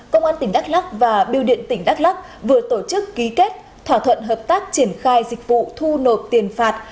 công an tỉnh đắk lắc và biêu điện tỉnh đắk lắc vừa tổ chức ký kết thỏa thuận hợp tác triển khai dịch vụ thu nộp tiền phạt